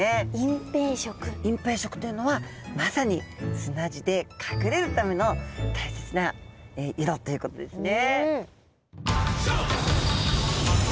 隠蔽色というのはまさに砂地で隠れるための大切な色ということですね。